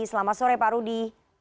selamat sore pak rudy